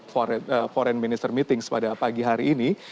pada foreign minister meeting pada pagi hari ini